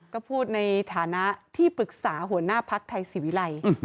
ก็พูดในฐานะที่ปรึกษาหัวหน้าภักดิ์ไทยศิวิลัย